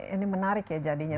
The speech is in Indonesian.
ini menarik ya jadinya